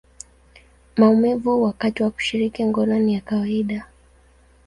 maumivu wakati wa kushiriki ngono ni ya kawaida.